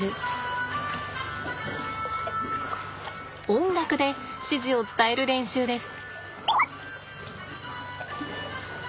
音楽で指示を伝える練習です。